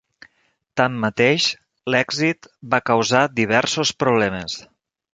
Tanmateix, l'èxit va causar diversos problemes.